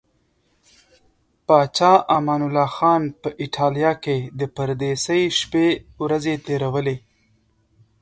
پاچا امان الله خان په ایټالیا کې د پردیسۍ شپې ورځې تیرولې.